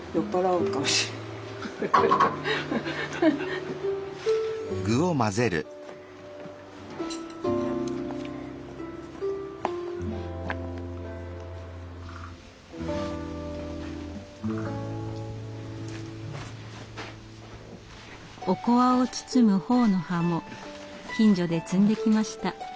おこわを包むほおの葉も近所で摘んできました。